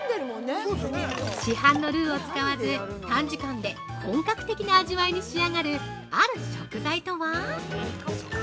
市販のルーを使わず短時間で本格的な味わいに仕上がるある食材とは！？